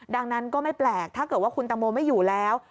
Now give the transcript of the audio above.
ดังนั้นก็ไม่แปลกถ้าเกิดว่าคุณตังโมไม่อยู่แล้ว